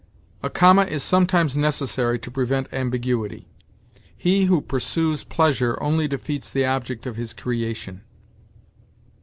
A comma is sometimes necessary to prevent ambiguity. "He who pursues pleasure only defeats the object of his creation."